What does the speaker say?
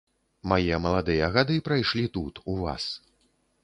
Мае маладыя гады прайшлі тут, у вас.